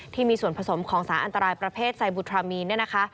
ที่มีส่วนผสมของสารอันตรายประเภทไซบุทรามีน